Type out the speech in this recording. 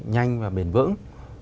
nhanh và bền vững